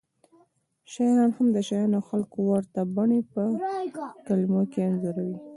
شاعران هم د شیانو او خلکو ورته بڼې په کلمو کې انځوروي